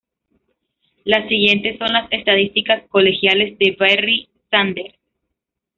Las siguientes son las estadísticas colegiales de Barry Sanders.